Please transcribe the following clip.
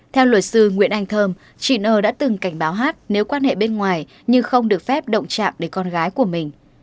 theo luật sư nguyễn anh thơm chị nờ đã từng cảnh báo hát nếu quan hệ bên ngoài nhưng không được phép động chạm đến con gái của mình